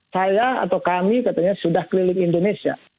saya atau kami katanya sudah keliling indonesia